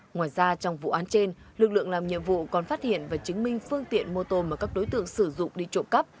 ngoài ra trong vụ án trên lực lượng làm nhiệm vụ còn phát hiện và chứng minh phương tiện mô tô mà các đối tượng sử dụng đi trộm cắp